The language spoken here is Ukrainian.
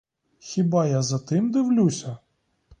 Хіба я за тим дивлюся?